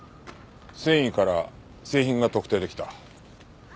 繊維から製品が特定出来た。